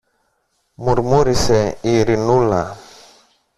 μουρμούρισε η Ειρηνούλα.